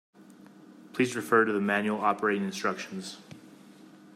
Please refer to the manual operating instructions